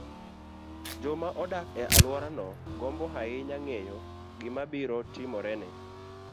joma odak e alworano gombo ahinya ng'eyo gima biro timore ne